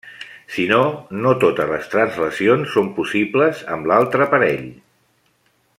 Si no, no totes les translacions són possibles amb l'altre parell.